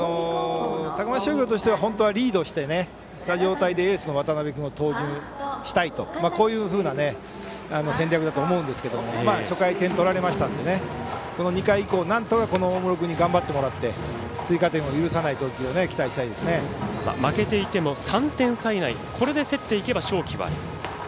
高松商業としては本当はリードした状態でエースの渡辺君を投入したいという戦略だと思うんですが点を取られましたのでこの２回以降なんとか、大室君に頑張ってもらって追加点を許さない投球を負けていても３点差以内これで競っていけば勝機はある。